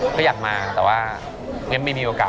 ก็อยากมาแต่ว่ายังไม่มีโอกาส